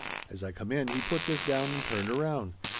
As I come in he put this down and turned around.